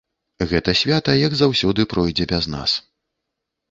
Гэта свята, як заўсёды, пройдзе без нас.